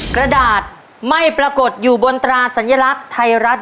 กระดาษไม่ปรากฏอยู่บนตราสัญลักษณ์ไทยรัฐ